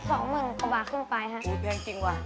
สองหมื่นกว่าบาทครึ่งไปครับอุ้ยแพงจริงว่ะ